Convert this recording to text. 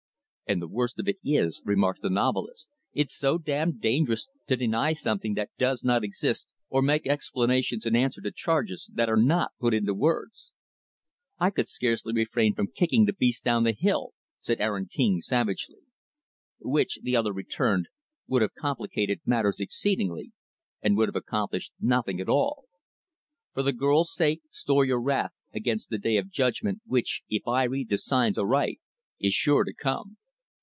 "And the worst of it is," remarked the novelist, "it's so damned dangerous to deny something that does not exist or make explanations in answer to charges that are not put into words." "I could scarcely refrain from kicking the beast down the hill," said Aaron King, savagely. "Which" the other returned "would have complicated matters exceedingly, and would have accomplished nothing at all. For the girl's sake, store your wrath against the day of judgment which, if I read the signs aright, is sure to come."